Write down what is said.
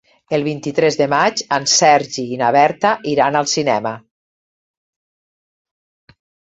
El vint-i-tres de maig en Sergi i na Berta iran al cinema.